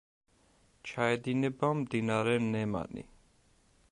ჩაედინება მდინარე ნემანი.